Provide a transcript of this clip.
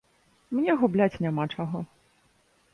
Мне губляць няма чаго.